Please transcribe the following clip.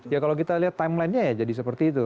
ya kalau kita lihat timelinenya ya jadi seperti itu